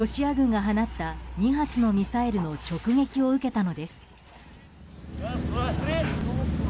ロシア軍が放った２発のミサイルの直撃を受けたのです。